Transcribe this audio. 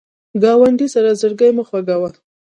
ګاونډي سره زړګی مه خوږوه